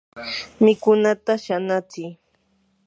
mikunata shanachi.